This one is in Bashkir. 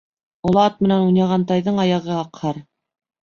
Оло ат менән уйнаған тайҙың аяғы аҡһар.